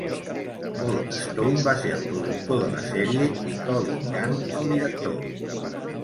Paul Stone va ser el productor de la sèrie i Colin Cant, el director.